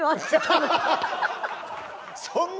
そんな？